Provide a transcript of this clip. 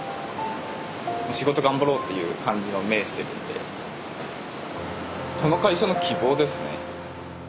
仕事頑張ろうっていう感じの目してるんでこの会社の希望ですね。